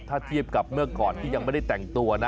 ถ้าเทียบกับเมื่อก่อนที่ยังไม่ได้แต่งตัวนะ